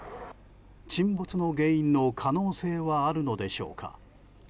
沈没の原因の可能性はあるのでしょうか。